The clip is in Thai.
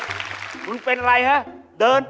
รายการต่อไปนี้เป็นรายการทั่วไปสามารถรับชมได้ทุกวัย